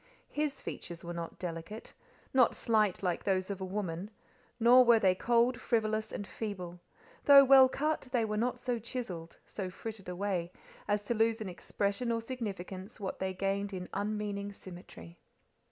His features were not delicate, not slight like those of a woman, nor were they cold, frivolous, and feeble; though well cut, they were not so chiselled, so frittered away, as to lose in expression or significance what they gained in unmeaning symmetry.